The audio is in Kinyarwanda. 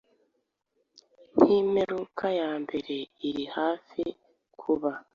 nkimperuka yambere irihafi kuba